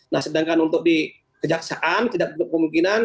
nah sedangkan untuk di kejaksaan tidak menutup kemungkinan